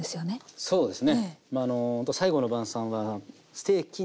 そうですね。